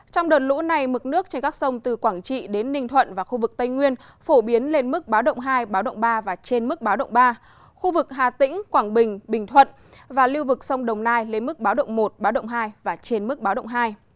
trong đợt lũ này mực nước trên các sông từ quảng trị đến ninh thuận và khu vực tây nguyên phổ biến lên mức báo động hai báo động ba và trên mức báo động ba khu vực hà tĩnh quảng bình bình thuận và lưu vực sông đồng nai lên mức báo động một báo động hai và trên mức báo động hai